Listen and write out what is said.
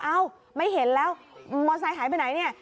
อ้าวไม่เห็นแล้วมอเตอร์ไซส์หายไปไหนเนี่ย